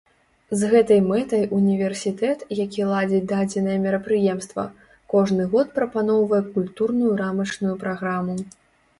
З гэтай мэтай універсітэт, які ладзіць дадзенае мерапрыемства, кожны год прапаноўвае культурную рамачную праграму.